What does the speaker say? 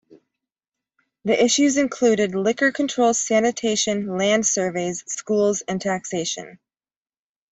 The issues included liquor control, sanitation, land surveys, schools, and taxation.